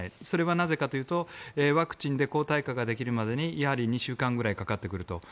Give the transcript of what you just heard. それはなぜかというとワクチンで抗体価ができるまでやはり２週間ぐらいかかってくると。